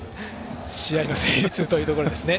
試合の成立というところですね。